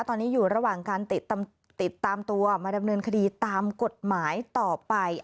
ตอนนี้อยู่ระหว่างการติดตามตัวมาดำเนินคดีตามกฎหมายต่อไป